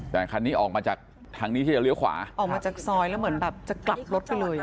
แต่คันนี้ออกมาจากทางนี้ที่จะเลี้ยวขวาออกมาจากซอยแล้วเหมือนแบบจะกลับรถไปเลย